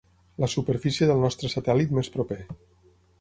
La superfície del nostre satèl·lit més proper.